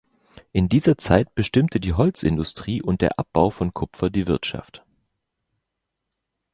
In dieser Zeit bestimmte die Holzindustrie und der Abbau von Kupfer die Wirtschaft.